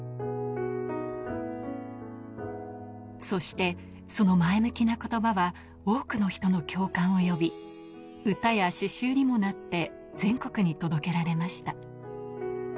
そしてその前向きな言葉は、多くの人の共感を呼び、歌や詩集にもなって全国に届けられました。